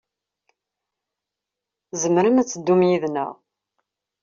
Tzemrem ad teddum yid-neɣ.